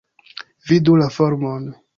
Vidu la formon.